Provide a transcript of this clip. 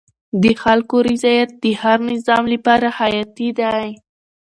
د خلکو رضایت د هر نظام لپاره حیاتي دی